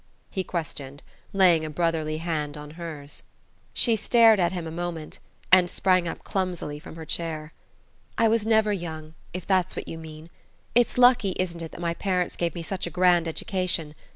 he questioned, laying a brotherly hand on hers. She stared at him a moment, and sprang up clumsily from her chair. "I was never young... if that's what you mean. It's lucky, isn't it, that my parents gave me such a grand education?